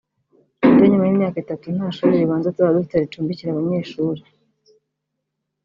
ku buryo nyuma y’imyaka itatu nta shuri ribanza tuzaba dufite ricumbikira abanyeshuri